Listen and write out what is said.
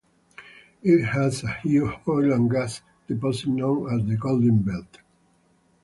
It has a huge oil and gas deposit known as the "Golden Belt".